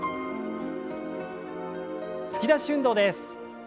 突き出し運動です。